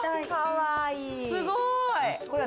すごい！